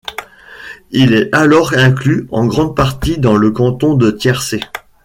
Il est alors inclus en grande partie dans le canton de Tiercé.